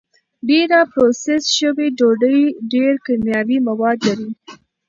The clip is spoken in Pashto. ډېره پروسس شوې ډوډۍ ډېر کیمیاوي مواد لري.